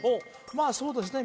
まあそうですね